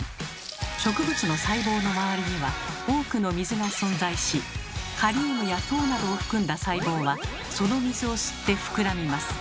植物の細胞の周りには多くの水が存在しカリウムや糖などを含んだ細胞はその水を吸って膨らみます。